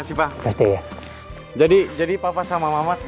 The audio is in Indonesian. selalu alasannya sibuk